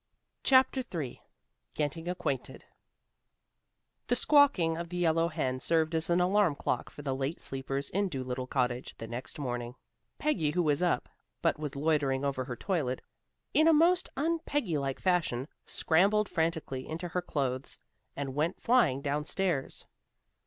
CHAPTER III GETTING ACQUAINTED The squawking of the yellow hen served as an alarm clock for the late sleepers in Dolittle Cottage the next morning. Peggy who was up, but was loitering over her toilet, in a most un Peggy like fashion, scrambled frantically into her clothes and went flying down stairs.